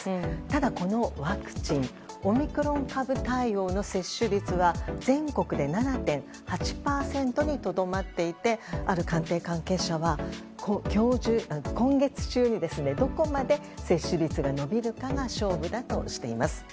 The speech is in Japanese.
ただ、このワクチンオミクロン株対応の接種率は全国で７．８％にとどまっていてある官邸関係者は、今月中にどこまで接種率が伸びるかが勝負だとしています。